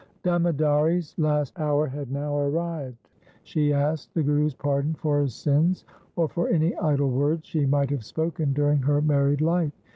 Damodari's last hour had now arrived. She asked the Guru's pardon for her sins or for any idle words she might have spoken during her married life.